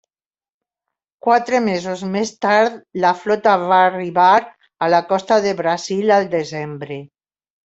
Quatre mesos més tard la flota va arribar a la costa de Brasil al desembre.